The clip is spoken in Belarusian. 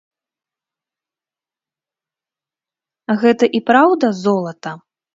Гэта і праўда золата?